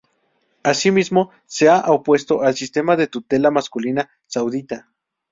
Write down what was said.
Asimismo se ha opuesto al sistema de tutela masculina saudita.